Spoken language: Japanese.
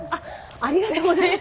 ありがとうございます。